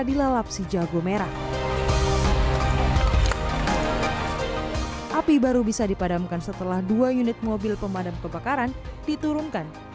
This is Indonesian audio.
dilalap si jago merah api baru bisa dipadamkan setelah dua unit mobil pemadam kebakaran diturunkan